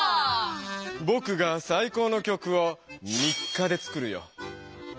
ぼくがさい高の曲を３日で作るよ。